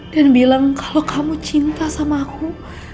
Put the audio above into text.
dan bilang kalau kamu cinta sama aku